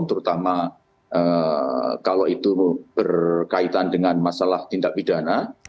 terutama kalau itu berkaitan dengan masalah tindak pidana